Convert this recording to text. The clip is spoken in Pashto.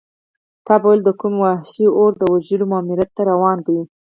تا به ویل د کوم وحشي اور د وژلو ماموریت ته روان دی.